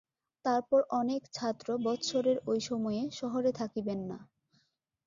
তারপর অনেক ছাত্র বৎসরের ঐ সময়ে শহরে থাকিবেন না।